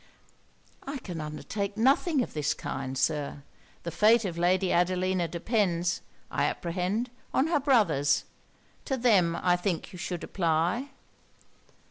'I can undertake nothing of this kind, Sir. The fate of Lady Adelina depends, I apprehend, on her brothers. To them I think you should apply.'